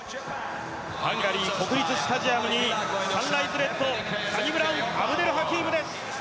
ハンガリー国立スタジアムにサンライズレッドのサニブラウン・アブデルハキームです。